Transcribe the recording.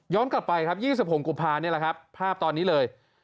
กลับไปครับ๒๖กุมภานี่แหละครับภาพตอนนี้เลย